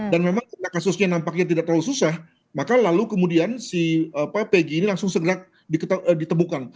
dan memang karena kasusnya nampaknya tidak terlalu susah maka lalu kemudian si pegi ini langsung segera ditemukan